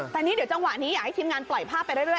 แต่นี่เดี๋ยวจังหวะนี้อยากให้ทีมงานปล่อยภาพไปเรื่อย